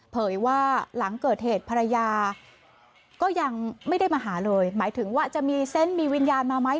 ว่าหลังเกิดเหตุภรรยาก็ยังไม่ได้มาหาเลยหมายถึงว่าจะมีเซนต์มีวิญญาณมาไหม